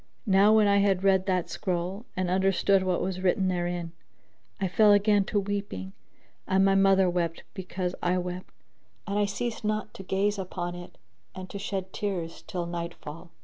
Now when I had read that scroll and understood what was written therein, I fell again to weeping, and my mother wept because I wept, and I ceased not to gaze upon it and to shed tears till night fall.